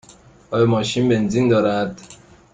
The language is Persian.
آیا ماشین بنزین دارد؟